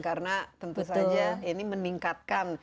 karena tentu saja ini meningkatkan